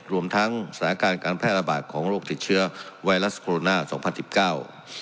รวมทั้งสถานการณ์การแพร่ระบาดของโรคติดเชื้อไวรัสโคโรนาสองพันสิบเก้า